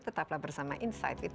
tetaplah bersama insight with desy anwar